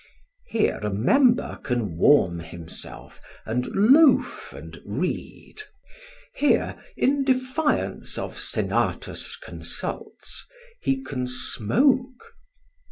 Here a member can warm himself and loaf and read; here, in defiance of Senatus consults, he can smoke.